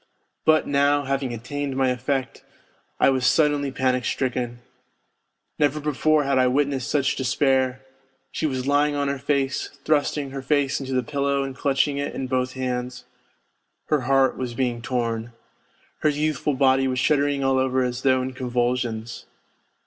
But now, having attained my effect, I was suddenly panic stricken. Never before had I witnessed such despair ! She was lying on her face, thrusting her face into the pillow and clutching it in both hands. Her heart was being torn. Her youthful body was shuddering all over as though in convulsions.